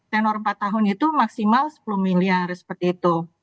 tenor empat tahun itu maksimal sepuluh miliar seperti itu